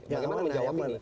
ya amat ya amat